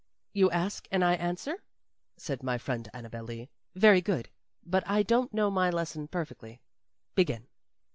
"You ask and I answer?" said my friend Annabel Lee. "Very good. But I don't know my lesson perfectly. Begin."